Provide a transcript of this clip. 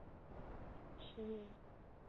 时年三十九。